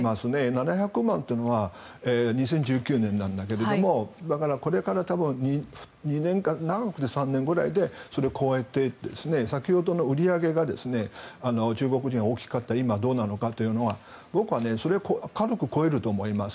７００万というのは２０１９年なんだけどもこれから多分長くて３年ぐらいでそれを超えて先ほどの売り上げが中国人、大きかった今、どうなのかというのは僕は軽く超えると思います。